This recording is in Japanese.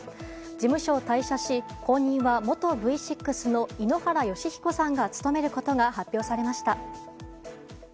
事務所を退社し後任は元Ｖ６の井ノ原快彦さんが務めることが発表されました。